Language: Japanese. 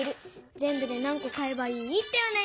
ぜんぶでなんこ買えばいい？」っておなやみ。